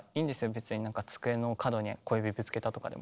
別になんか机の角に小指ぶつけたとかでも。